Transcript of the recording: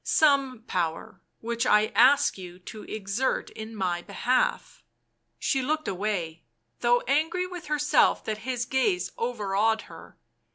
" Some power— which I ask you to exert in my behalf." She looked away, though angry with herself that his gaze overawed her.